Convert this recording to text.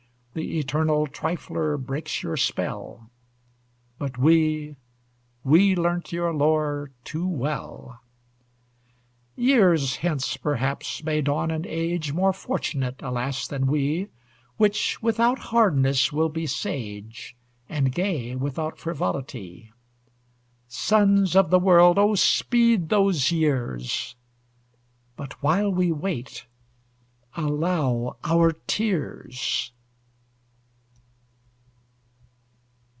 The eternal trifler breaks your spell; But we we learnt your lore too well! Years hence, perhaps, may dawn an age, More fortunate, alas! than we, Which without hardness will be sage, And gay without frivolity. Sons of the world, oh, speed those years; But while we wait, allow our tears!